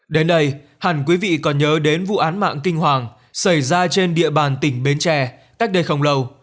đến đây hẳn quý vị còn nhớ đến vụ án mạng kinh hoàng xảy ra trên địa bàn tỉnh bến tre cách đây không lâu